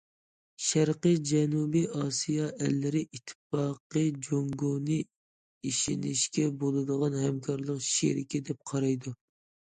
شەرقىي جەنۇبىي ئاسىيا ئەللىرى ئىتتىپاقى جۇڭگونى ئىشىنىشكە بولىدىغان ھەمكارلىق شېرىكى دەپ قارايدۇ.